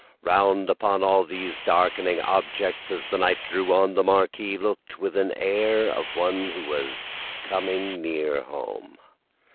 Round upon all these darkening objects as the night drew on, the Marquis looked, with the air of one who was coming near home.